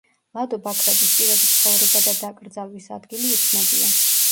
ლადო ბაქრაძის პირადი ცხოვრება და დაკრძალვის ადგილი უცნობია.